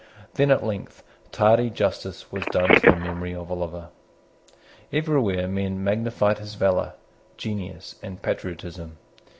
Then, at length, tardy justice was done to the memory of Oliver. Everywhere men magnified his valour, genius, and patriotism.